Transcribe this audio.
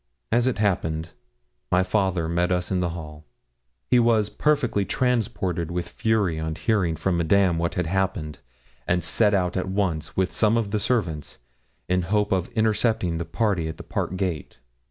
As it happened, my father met us in the hall. He was perfectly transported with fury on hearing from Madame what had happened, and set out at once, with some of the servants, in the hope of intercepting the party at the park gate.